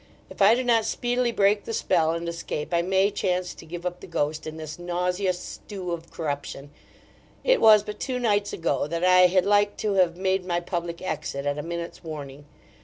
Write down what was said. If I do not speedily break the spell, and escape, I may chance to give up the ghost in this nauseous stew of corruption It was but two nights ago, that I had like to have made my public exit, at a minute's warning.